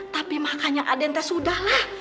tapi makanya aden teh sudahlah